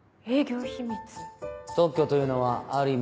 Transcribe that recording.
特許というのはある意味